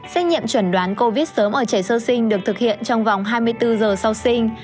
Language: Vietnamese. xét nghiệm chuẩn đoán covid sớm ở trẻ sơ sinh được thực hiện trong vòng hai mươi bốn giờ sau sinh